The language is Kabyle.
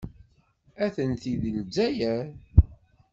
Atenti deg Lezzayer.